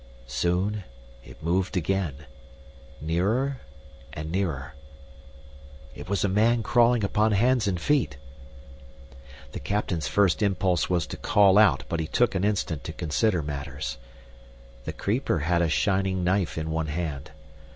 Soon it moved again, nearer and nearer. It was a man crawling upon hands and feet! The captain's first impulse was to call out, but he took an instant to consider matters. The creeper had a shining knife in one hand.